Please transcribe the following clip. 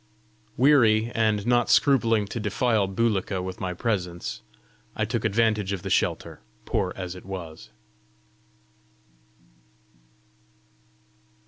Weary, and not scrupling to defile Bulika with my presence, I took advantage of the shelter, poor as it was.